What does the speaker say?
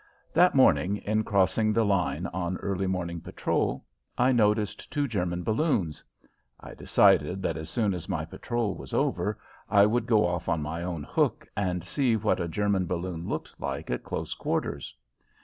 That morning, in crossing the line on early morning patrol, I noticed two German balloons. I decided that as soon as my patrol was over I would go off on my own hook and see what a German balloon looked like at close quarters.